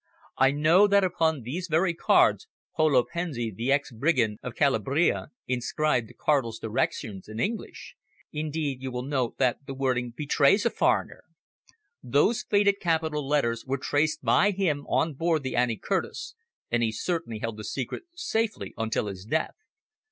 I know that upon these very cards, Poldo Pensi, the ex brigand of Calabria, inscribed the Cardinal's directions in English. Indeed you will note that the wording betrays a foreigner. Those faded capital letters were traced by him on board the Annie Curtis, and he certainly held the secret safely until his death.